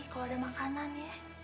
kalo ada makanan ya